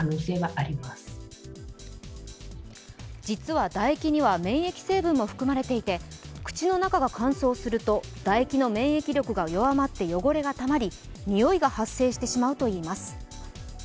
実は唾液には免疫成分も含まれていて口の中が乾燥すると唾液の免疫力が高まり臭いが発生してしまうといいます。